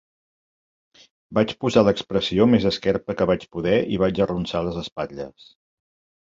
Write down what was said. Vaig posar l'expressió més esquerpa que vaig poder i vaig arronsar les espatlles.